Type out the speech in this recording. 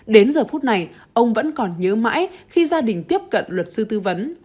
đến giờ phút này ông vẫn còn nhớ mãi khi gia đình tiếp cận luật sư tư vấn